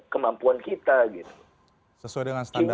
kemampuan kita gitu sesuai dengan stimulus